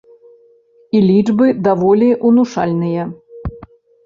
І лічбы даволі ўнушальныя.